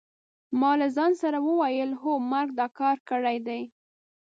ما له ځان سره وویل: هو مرګ دا کار کړی دی.